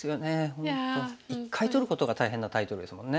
本当１回とることが大変なタイトルですもんね。